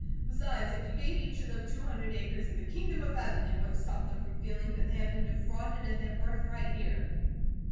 Besides, if you gave each of them two hundred acres of the Kingdom of Heaven, it wouldn't stop them from feeling that they had been defrauded of their birthright here."